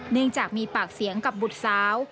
เนื่องจากมีปากเสียงกับบุตรสาว